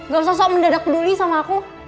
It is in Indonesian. gak usah sok mendadak peduli sama aku